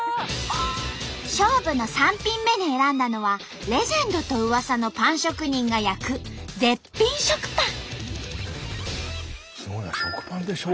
勝負の３品目に選んだのはレジェンドと噂のパン職人が焼く絶品食パン。